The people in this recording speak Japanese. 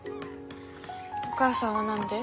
お母さんは何で？